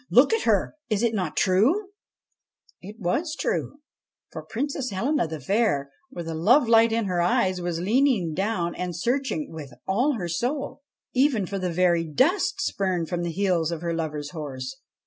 Look at herl Is it not true ?' It was true, for Princess Helena the Fair, with a lovelight in her eyes, was leaning down and searching, with all her soul, even for the very dust spurned from the heels of her lover's horse.